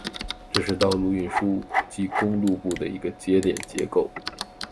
这是道路运输及公路部的一个节点机构。